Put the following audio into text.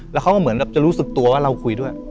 แล้วเขาก็เหมือนแบบจะรู้สึกตัวว่าเราคุยด้วย